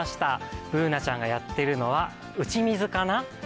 Ｂｏｏｎａちゃんがやっているのは打ち水かな？